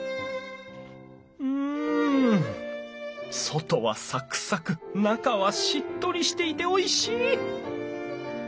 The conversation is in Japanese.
外はサクサク中はしっとりしていておいしい！